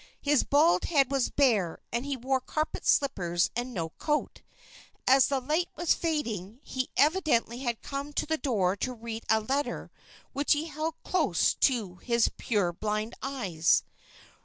His bald head was bare and he wore carpet slippers and no coat. As the light was fading, he evidently had come to the door to read a letter which he held close to his purblind eyes.